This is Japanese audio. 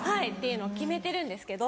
はい決めてるんですけど。